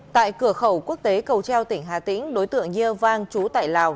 tại cửa khẩu quốc tế cầu treo tỉnh hà tĩnh đối tượng nhiêu vang trú tại lào